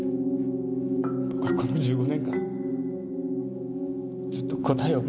僕はこの１５年間ずっと答えを待ち続けた。